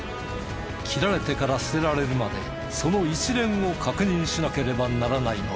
切られてから捨てられるまでその一連を確認しなければならないのだ。